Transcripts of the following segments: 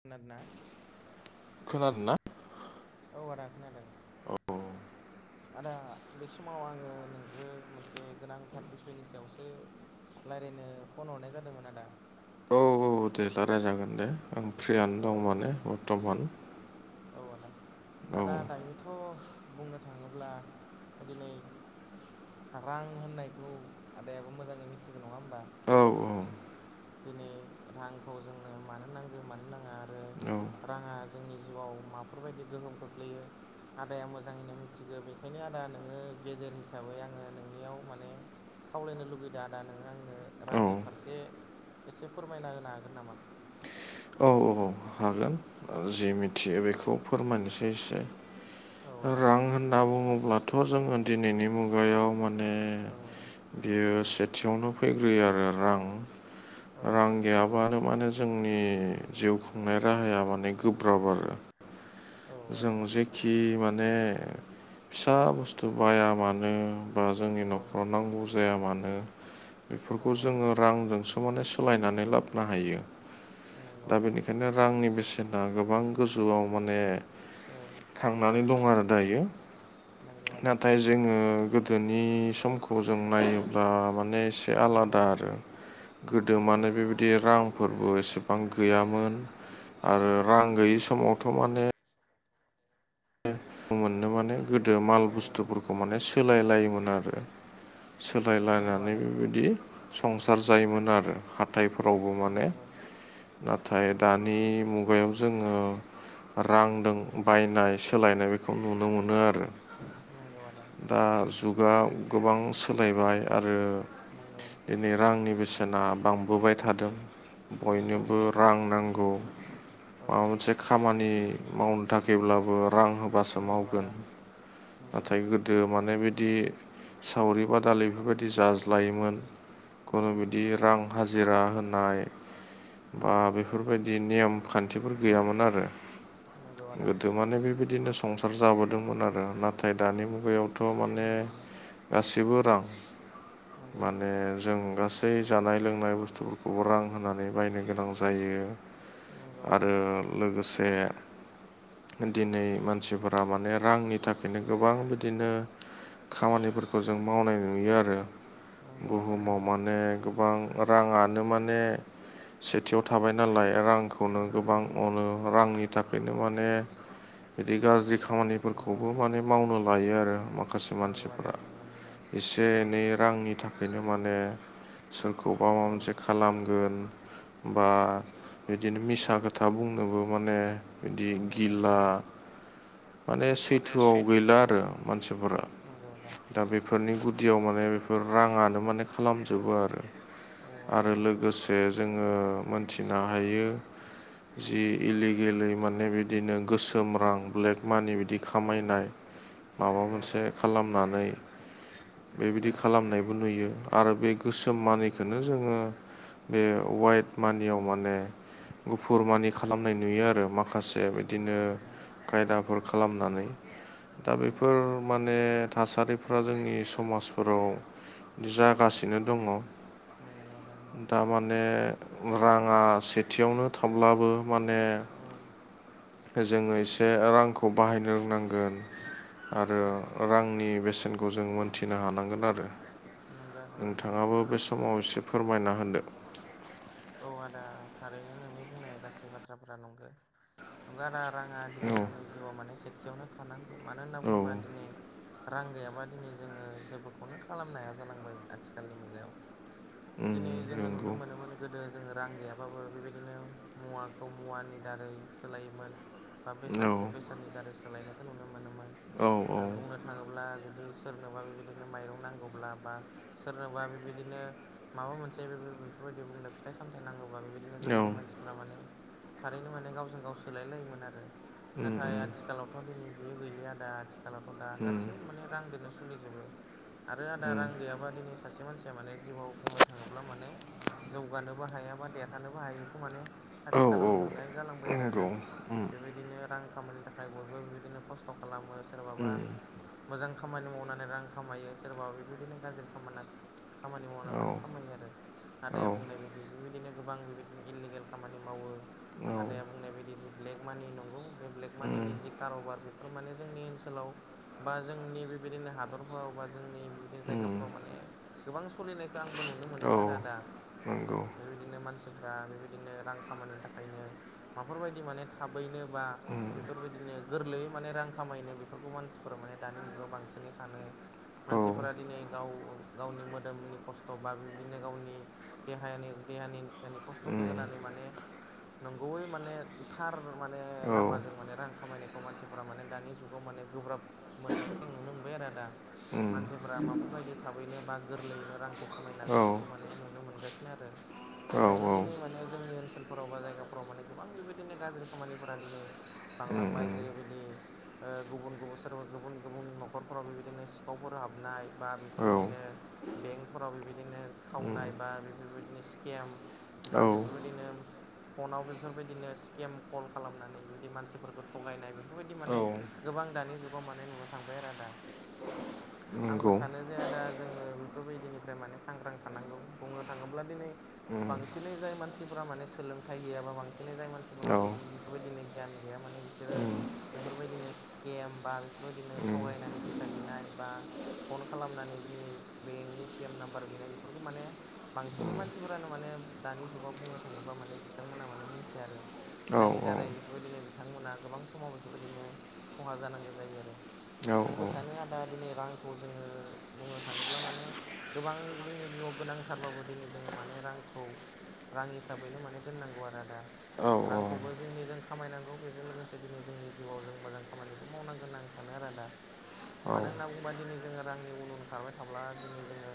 खोनादोना? खोनादों ना? औ आदा खोनादों। औ औ आदा बे समाव आङो नोंजो मोनसे गोनांथार बिसयनि सायावसो रायलायनो फन हरनाय जादोंमोन आदा। औ दे रायलाय जागोन दे आं फ्रियानो औ दं माने बर्थमान। औ आदा औ आदा दायोथ' बुंनो थाङोब्ला दिनै रां होननायखौ आदायाबो मोजाङै मिथिगौ नङा होमबा? औ दिनै रांखौ जोंनो मानो नांगौ मानो नाङा आरो औ राङा जोंनि जिउआव माफोरबायदि गोहोम खोख्लैयो आदाया मोजाङैनो मिनथिगो बेखायनो आदा नोङो गेदेर हिसाबै आङो नोंनियाव माने खावलायनो लुगैदों आदा नोङो आंनो औ रांनि फारसे एसे फोरमायना होनो हागोन नामा? औ औ औ हागोन। ओ जे मिथियो बेखौ फोरमायनोसै एसे औ आदा रां होनना बुङोब्ला थ' जोङो दिनैनि मुगायाव मा औ बियो सेथियावनो फैग्रोयो आरो रां औ रां आदा गैयाब्ला मोनो माने जोंनि जिउ खुंनाय राहाया माने गोब्राब आरो। औ आदा जों जेखि माने फिसा बुस्थु बाया मानो बा जोंनि औ न'खराव नांगौ जाया मानो बेफोरखौ आदा जोङो रांजोंसो माने सोलायनानै लाबनो हायो। नंगौ दा आदा बेनिखायनो रांनि बेसेना गोबां गोजौआव माने औ। थांनानै दं आरो दायो नंगौ आदा नाथाय जोङो गोदोनि समखौ जों नायोब्ला माने एसे औ आलादा आदा आरो गोदो नंगौ माने बेबायदि बिदि रांफोरबो एसेबां गैयामोन आरो नंगौ रां गैयि समावथ' माने दुखु मोननो माने गोदो माल बुस्थुफोरखौ माने सोलायलायोमोन आरो नंगौ सोलायलायनानै आदा नंगौ बेबायदि संसार जायोमोन आरो। हाथायफोरावबो माने नंगौ नाथाय नंगौ दानि मुगायाव जोङो रांदों बायनाय सोलायनाय बेखौ नुनो मोनो आरो। नंगौ आदा। दा जुगा गोबां सोलायबाय आरो नंगौ दिनै रांनि बेसेना बांबोबाय थादों नंगौ बयनोबो रां नांगौ। औ माबा मोनसे खामानि मावनो थाखायब्लाबो रां होबासो नंगौ मावो आदा नंगौ नाथाय गोदो गोदो माने बिदि सावरि बादालि बेफोरबायदि जाज्लायोमोन औ खुनु ब्दि रां हाजिरा होनाय औ बा बेफोरबादि नियम खान्थिफोर गैयामोन आरो नंगौ आदा गोदो माने बेबायदिनो संसार जाबोनाय दोंमोन आरो नाथाय दानि मुगायाव थ' माने नंगौ गासिबो रां नंगौ माने जों गास बै जानाय लोंनाय बुस्थुफोरखौबो रां होनानै बायनो गोनां जायो नंगौ आदा आरो लोगोसे दिनै मानसिफोरा माने रांनि थाखायनो गोबां बिदिनो खामानिफोरखौ जों मावनाय नुयो आरो। नंगौ आदा बुहुमाव नंगौ माने गोबां राङानो माने सेथियाव थाबाय नालाय रांखौनो नंगौ गोबां नंगौ अनो रांनि थाखायनो माने बिदि गाज्रि नंगौ खामानिफोरखौबो माने मावनो लायो आरो माखासे नंगौ आदा मानसिफ्रा नंगौ नंगौ एसे नंगौ एनै रांनि थाखाय बेनो माने सोरखौबा माबा औ मोनसे खालामगोन बा बिदिनो मिसा खोथा बुंनोबो माने बिदि औ आदा गिला नंगौ माने सैथोआव गैला आरो मानसिफोरा। नंगौ आदा दा बेफोरनि गुदियाव माने बेफोर रांङानो माने खालामजोबो आरो। औ आदा आरो नंगौ। लोगोसे जोङो मोनथिनो हायो जि इलिगेलै माने बिदिनो गोसो ओम्रां ब्लेक मानि बिदि औ खामायनाय माबा नंगौ मोनसे आदा खालामनानै नंगौ बेबायदि खालामनायबो नुयो आरो बे गोसोम नंगौ आदा मानिखोनो जोङो बे वाइट मानियाव माने गुफुर मानि नंगौ खालामनाय नुयो आरो माखासे बिदिनो नंगौ नंगौ खायदा फोर खालामनानै दा बेफोर माने थासारिफ्रा जोंनि समाजफोराव जागासिनो दङ औ आदा नंगौ। दा माने रांङा सेथियावनो थाब्लाबो माने औ जोङो एसे रांखौ बाहायनो रोंनांगोन। आरो औ रांनि बेसेनखौ जों मोनथिनो हानांगोन आरो। नंगौ आदा नंगौ नोंथाङाबो बे समाव एसे फोरमायना होनदो। औ आदा थारैनो नोंनि बुंनाय गासै बाथ्राफोरा नंगो। नंगो आदा राङा औ दिनै जोंनि जिउआव माने सेथियावनो थानांगौ मानो होनना औ बुंङोबा दिनै रां गैयाबा दिनै जोङो जोब बोखौनो खालामनो हाया जालांबाय आथिखालनि मुगायाव उम दिनै जोङो नुनो नंगौ मोनोमोन गोदो जोङो रां गैयाबाबो बेबायदिनो मुवाखौ मुवानि दारै सोलायोमोन। बा औ बेसादखौ बेसादनि दारै सोलायनायखौ नुनो मोनोमोन। औ उम औ ओ बुंनो थाङोब्ला जुदि सोरनावबा बेबायदिनो माइरं नांगौब्ला बा सोरनावबा बेबायदिनो माबा मोनसे बेफोर बेफोरबायदि बुंनो फिथाइ सामथाय नांगौबा बेबायदिनो नंगौ गोदोनि मानसिफोरा माने थारैनो माने गावजों गाव सोलाय लायोमोन आरो। नाथाय औ आथिखालावथ' दिनै बियो गैलिया दा आथि खालावथ' दा गासैबो माने रांदोनो सलिजोबो। आरो आदा रां गैयाबा दिनै सासे मानसिया माने जिउआव बुंनो थाङोब्ला माने जौगानोबो हाया बा देरहानोबो हायिखो माने औ आथिखालाव नुनाय जालांबाय आरो आदा बेबाय दिनो रां खामायनो थाखाय बयबो बिबायदिनो खस्थ' खालामो सोरबाबा मोजां खामानि मावनानै रां खामायो। सोरबा बेबायदिनो गाज्रि खामाना खामानि मावना माने खामायो आरो आदाया बुंनाय बायदि बेबायदिनो गोबां बेबायदिनो इललिगेल खामानि मावो आदाया बुंनाय बायदि जि ब्लेक मानि नंगौ बे ब्लेक मानिनि जि कारबार बेफो फोर माने जोंनि ओनसोलाव बा जोंनि बेबायदिनो हादरफोराव बा जोंनि बेबायदि जायगाफ्राव माने गोबां सलिनायखो आंबो नुनो मोनदों औ आरो आदा। नंगौ फ्राय बेबायदिनो मानसिफ्रा बेबायदिनो रां खामायनो थाखायनो माफोरबायदि माने थाबैनो बा बेफोरबायदिनो गोरलैयै माने रां खामायनो बेफ फोरखौ मानसिफोरा माने दानि मुगायाव बांसिनै सानो औ मानसिफोरा दिनै गाव औ गावनि मोदोमनि खस्थ' बा बेबायदिनो गावनि देहायनि देहानि [unintelligible] नि खस्थ'खो होनानै माने नंगौैयै माने थार माने औ लामाजों माने रां खामायनायखौ मानसिफोरा माने दानि जुगाव माने गोब्राब मोननायखौ आं नुनो मोनबाय आरो आदा। मानसिफोरा माफोरबायदि थाबैनो बा गोरलैयैनो रांखौ खामायनो औ हागोन बेखौ माने नुनो मोनगास होनो आरो बेखायनो दिनै माने जोंनि ओनस सोलफोराव बा जायगाफोराव माने गोबां बेबायदिनो गाज्रि खामानिफोरा दिनै बांलांबाय जेरैबायदि ओ गुबुन गुबुन सोरबा गुबुन गुबुन न'खरफोराव बेबायदिनो सिखावफोर हाबनाय बा औ बेफोरबायदिनो बेंकफोराव बेबायदिनो खावनाय बा बे फोरबायदिनो सिकेम बा औ बेफोरबायदिनो फनाव बेफोरबायदिनो स्केम कल खालामनानै बिदि मानसिफोरखौ थगायनाय बेफोरबायदि औ माने गोबां दानि जुगाव माने नुनो थांबाय आरो आदा। आंबो नंगौ सानो जे आदा जोङो बेफोरबायदिनिफ्राय माने सांग्रां थानांगौ बुङो थाङोब्ला दिनै बांसिनै जाय मानसिफोरा माने सोलोंथाइ गैयाबा बांसिनै जाय औ मानसिफोरा बेफोर बेफोरबायदिनो गियान गैया माने बिस सोरो बेफोरबायदिनो स्केम बा बेफोरबायदिनो थगायनानै फैसा बिनाय बा फन खालामनानै बिनि बेंकनि एटिएम नाम्बार बिनाय बेफोरखौ माने बांसिनै मानसिफोरानो माने दानि जुगाव बुंनो थाङोब्ला माने बिथांमोनहा माने मिथिया आरो औ जायनि दारै बेफोरबायदिनो बिथांमोना गोबां समाव बेफोरबायदिनो खहा जानांगौ जायो आरो। आंबो सानो औ आदा दिनै रांखौ खौ जोङो बुंनो थाङोब्ला माने गोबां जोंनि जिउआव गोनां थारबाबो दिनै जोङो माने रांखौ रां हिसाबैनो माने दोननांगौ आरो आदा। औ रांखौबो जोंनि जों खामायनांगौ बेजों लोगोसे दिनै जोंनि जिउआव जों मोजां खामानिबो मावनांगोन होनना आं सानो आरो आदा। मानो होनना बुङोबा दिनै जोङो रांनि उन उन खारबाय थाब्ला दिनै जोङो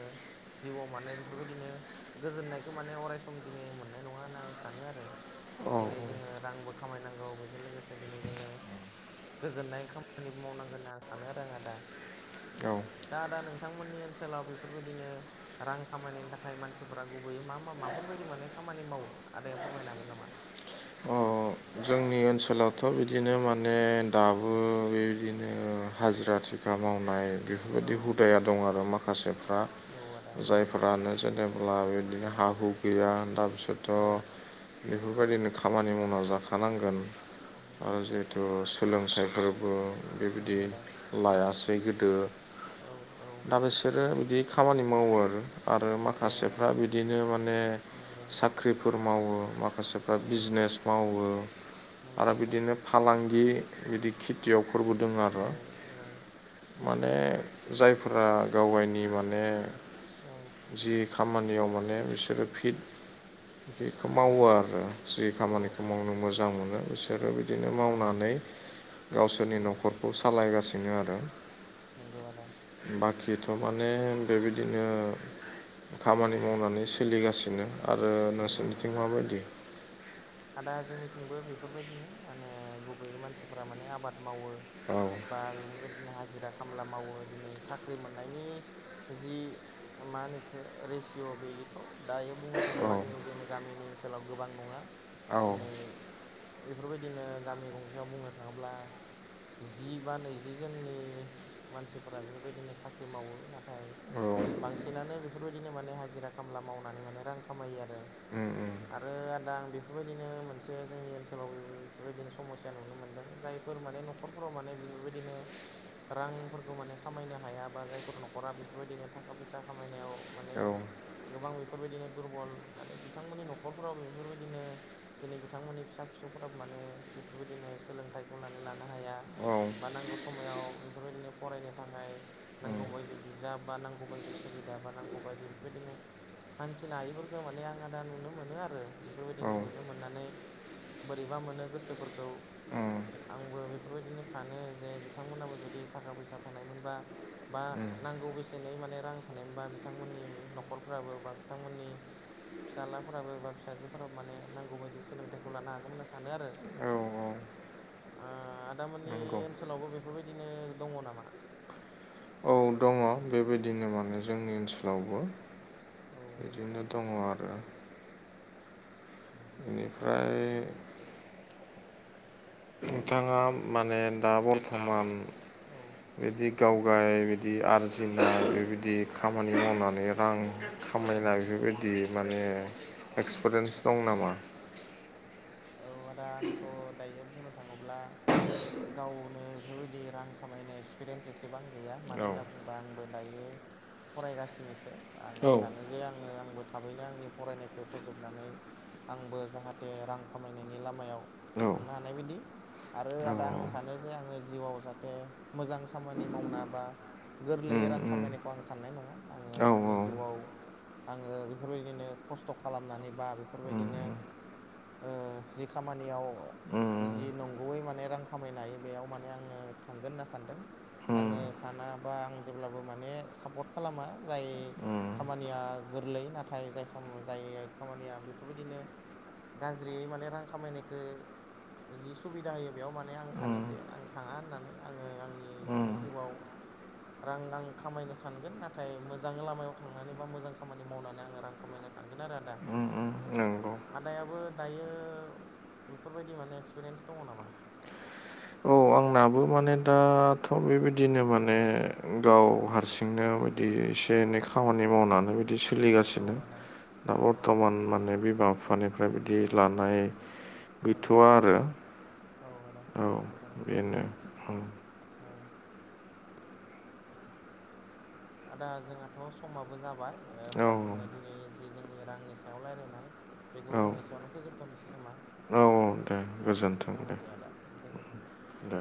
जिउआव मानाय बे बेफोरबायदिनो गोजोननायखौ अरायस दिनै मोननाय नङा होनना सानो आरो। दिनै जोङो रांबो खामायनांगौ बेजों लोगोसे दिनै जोङो गोजोननाय खामानि मावनांगोन होनना सानो आरो आं आदा। औ दा ओनसोलाव बेफोरबायदिनो रां खामानिनि थाखाय मानसिफोरा गुबैयै मा मा माफोरबायायदि माने खामानि मावो आदाया फोरमायनो हागोन नामा? अ जोंनि ओनसोलावथ' बिदिनो माने दाबो बेबायदिनो हाजिरा थि खा मावनाय औ बेफोरबायदि हुदाया दं आरो माखासेफ्रा औ आदा औ जायफ्रानो जेनेबा अब्ला बिदिनो हा हु गैया दा बिसोरथ' औ बेफोरबायदिनो खामानि मावना जाखायो थानांगोन औ आरो जिहेथु सोलों सोलोंथाइफोरबो औ बेबायदि आदा लायासै गोदो औ औ दा बिसोरो बिदि खामानि मावो आरो। आरो नंगौ आदा माखासेफ्रा बिदिनो माने नंगौ साख्रिफोर मावो माखासेफ्रा औ बिजनेस मावो आरो नंगौ आदा बिदिनो फालांगि बिदि खेथियावफोरबो दङ औ आरो औ माने जायफोरा गाव गायनि माने औ जि खामानियाव माने बिसोरो फिट बेखौ मावो आरो जि खामानिखौ मावनो मोजां मोजां मोनो बिसोरो औ बिदिनो आदा मावनानै औ गावसोरनि न'खर सालायगासिनो आरो। नोंगौ आदा बाखिथ' माने बेबायदिनो औ खामानि मावनानै सोलिगासिनो आरो नंगौ नोंसोरनिथिं नंगौ माबायदि आदा जोंनिथिंबो बेफोरबायदिनो माने मानसिफ्रा माने आबाद मावो औ बा बेफोरबायदिनो हाजिरा खामला मावो दिनै साख्रि मोननायनि जि मा बेयोथ' दायो बुंनो औ थाङोबा दिनै जोंनि गामिनि ओनसोलाव गोबां नङा औ दिनै बेफोरबायदिनो गामि गंसेयाव बुंनो थाङोब्ला जि बा नैजि जोननि मानसिफोरा बेफोरबायदिनो साख्रि मावो नाथाय औ बांसिनानो बेफोरबायदिनो माने हाजिरा खामला मावनानै माने रां खामायो आरो उम उम आरो आदा आं बि बेफोरबायदिनो मोनसे जोंनि ओनसोलाव बेफोरबायदिनो समस्या नुनो मोनदों जायफोर माने न' न'खरफोराव माने बेफोरबायदिनो रांफोरखौ माने खामायनो हाया बा जायफोर न'खरा बेफोरबायदिनो थाखा फैसा खामायनायाव माने औ गोबां बेफोरबायदिनो दुरबल माने बिथांमोननि न'खरफोराव बेफोरबायदिनो दिनै बिथांमोननि फिसा फिसौफोराबो माने बेफोरबायदिनो सोलोंथाइखौ लानानै लानो हाया। औ उम औ बानांगौ समायाव बेफोरबायदिनो फरायनो थाखाय नांगौ बायदि बिजाब बा नांगौ बायदि सुबिदा बा नांगौ बायदि बेफोरबायदिनो हानथिनो हायिफोरखौ माने आङो दा नुनो मोनो आरो बेफोरबायदिनो नु उम नै बोरैबा मोनो गोसोफोरखौ। आंबो बेफोरबायदिनो सानो जे बिथांमोनाबो जुदि थाखा फैसा थानायमोनबा बा उम नांगौ बेसेनै माने रां थानायबा बिथांमोननि न'खरफ्राबो बा बिथांमोननि फिसालाफोराबो बा फिसाजोफोराबो माने नांगौ बायदि सोलोंथाइखौ लानो हागौमोन होनना सानो आरो। औ ओ आदामोननि नंगौ ओनसोलावबो बेफोरबायदिनो दङ नामा? औ दङ बेबायदिनो माने जोंनि ओनसोलावबो। औ बिदिनो दङ आरो। बेनिफ्राय नोंथाङा माने दा बर्थमान औ बिदि गावगाय बिदि आरजिनाय बेबायदि खामानि मावनानै रां औ खामायना बेफोरबायदि माने एक्सपिरियेन्स दं नामा? औ आदा आंथ' दायो बुंनो थाङोब्ला गावनो बेफोरबायदि रां खामायनाय एक्सपिरियेन्स एसेबां गैया औ मानो होनना बुङोबा आंबो दायो फरायगासिनोसो औ आङो सानो जे आङो आंबो थाबैनो आंनि फरायनायखौ फोजोबनानै आंबो जाहाथे रां खामायनायनि लामायाव औ थांनो हानाय बायदि। आरो आदा आं सानो जे आङो जिउआव जाहाथे मोजां खामानि मावना बा उम गोरलैयै रां उम खामायनायखौ आं साननाय नङा आङो औ आंनि उम जिउआव आङो बेफोरबायदिनो खस्थ' खालामनानै बा बेफोरबायदिनो ओ जि खामानियाव जि उम नंगौयै माने रां खामायनो हायो बेयाव माने आङो थांगोन होनना सानदों। आङो सानाबा आं जेब्लाबो माने सापर्ट खालामा जाय खामानिया गोरलै नाथाय जाय खामा जाय खामानिया बेफोरबायदिनो गाज्रियै माने रां खामायनायखो जि सुबिदा होयो बेयाव माने आं सानो जे आं थाङा होननानै आङो आंनि माने जिउआव रां आं खामायनो सानगोन नाथाय मोजां लामायाव थांनानै बा मोजां खामानि मावनानै आङो रां खामायनो सानगोन आरो आदा। उम नंगौ दायाबो दायो बेफोरबायदि माने एक्सपिरियेन्स दङ नामा? औ आंनाबो माने दाथ' बेबायदिनो औ माने गाव हारसिंनो बिदि एसे एनै खामानि मावनानै दि औ सोलिगासिनो आदा दा औ बर्थमान माने बिमा बिफानि फ्राय बिदि लानाय गैथ'वा आरो ओं औ। जोबोद बेनो मोजां औ औ। आदा जोंहाथ' समाबो जाबाय औ होमबा जोङो दिनैनि जि जोंनि रांनि सायाव रायलायनाय बेखौ औ जों एसेयावनो फोजोबथ'नोसै नामा? औ दे गोजोन्थों औ दे आदा दे गोजोनबाय। दे